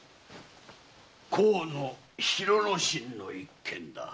河野広之進の一件だ。